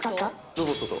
ロボットと？